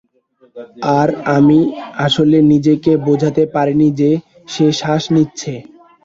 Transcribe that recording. আর আমি আসলে নিজেকে বোঝাতে পারিনি যে সে শ্বাস নিচ্ছে।